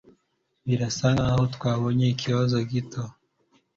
Birasa nkaho twabonye ikibazo gito.